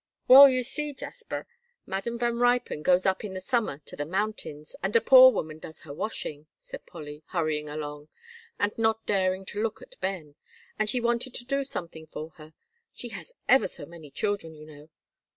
"Well, you see, Jasper, Madam Van Ruypen goes up in the summer to the mountains, and a poor woman does her washing," said Polly, hurrying along, and not daring to look at Ben. "And she wanted to do something for her. She has ever so many children, you know."